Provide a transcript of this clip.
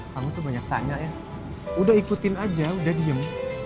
kamu tuh banyak tanya ya udah ikutin aja udah diem